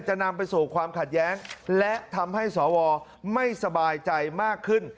นำไปสู่ความขัดแย้งและทำให้สวไม่สบายใจมากขึ้น